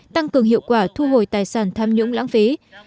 tăng cường hiệu quả thu hồi tài sản tham nhũng lãng phí